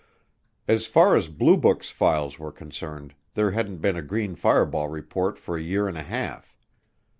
As far as Blue Book's files were concerned, there hadn't been a green fireball report for a year and a half.